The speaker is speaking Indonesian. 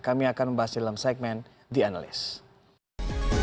kami akan membahasnya dalam segmen the analyst